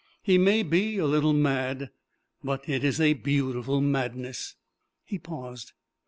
He may be a little mad, but it is a beautiful madness." He paused.